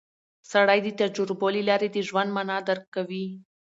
سړی د تجربو له لارې د ژوند مانا درک کوي